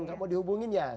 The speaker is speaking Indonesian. nggak mau dihubungin ya